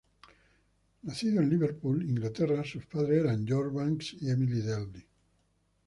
Nacido en Liverpool, Inglaterra, sus padres eran George Banks y Emily Dalby.